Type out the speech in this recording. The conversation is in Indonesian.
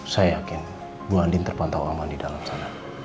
saya yakin bu andin terpantau aman di dalam sana